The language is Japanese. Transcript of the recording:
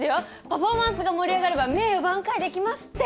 パフォーマンスが盛り上がれば名誉挽回できますって！